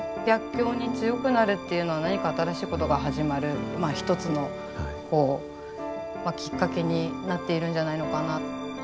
逆境に強くなるっていうのは何か新しいことが始まる一つのこうきっかけになっているんじゃないのかな。